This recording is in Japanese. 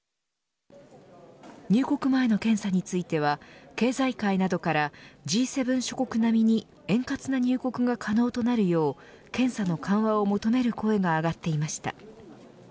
入国前の検査については経済界などからＧ７諸国並みに円滑な入国が可能となるよう検査の緩和を求める声が上がっていました。